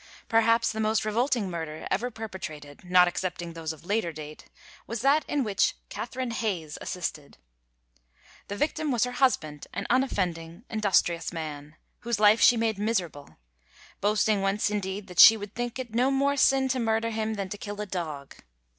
Perhaps the most revolting murder ever perpetrated, not excepting those of later date, was that in which Catherine Hayes assisted. The victim was her husband, an unoffending, industrious man, whose life she made miserable, boasting once indeed that she would think it no more sin to murder him than to kill a dog.